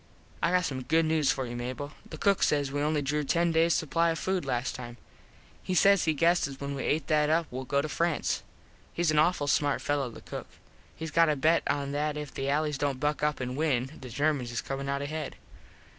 I got some news for you, Mable. The cook says we only drew ten days supply of food last time. He says he guesses when we et that up well go to France. Hes an awful smart fello the cook. Hes got a bet on that if the allys dont buck up an win the Germans is comin out ahead.